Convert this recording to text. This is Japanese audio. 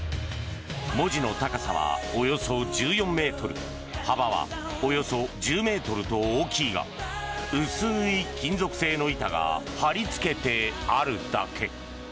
文字の高さはおよそ１４ｍ幅はおよそ１０ｍと大きいが薄い金属製の板が貼りつけてあるだけ。